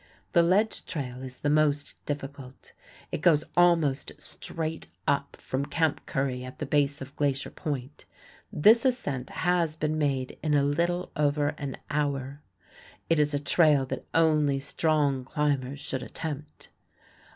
The ledge trail is the most difficult. It goes almost straight up from Camp Curry at the base of Glacier Point. This ascent has been made in a little over an hour. It is a trail that only strong climbers should attempt.